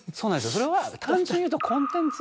それは単純に言うと。